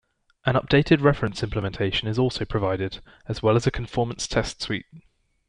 An updated reference implementation is also provided, as well as a conformance test suite.